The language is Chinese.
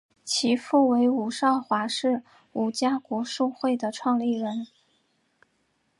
其父为伍绍华是伍家国术会的创立人。